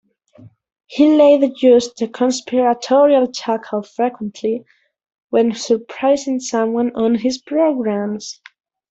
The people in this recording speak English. He later used the conspiratorial chuckle frequently when surprising someone on his programs.